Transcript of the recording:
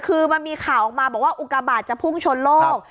คือมันมีข่าวออกมาบอกว่าอุกาบาทจะพุ่งชนโลก